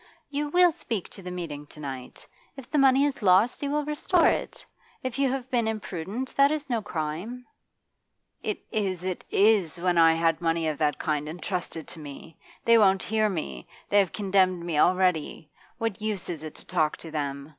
she exclaimed. 'You will speak to the meeting to night. If the money is lost you will restore it. If you have been imprudent, that is no crime.' 'It is it is when I had money of that kind entrusted to me! They won't hear me. They have condemned me already. What use is it to talk to them?